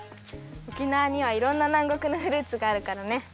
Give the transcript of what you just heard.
沖縄にはいろんななんごくのフルーツがあるからね！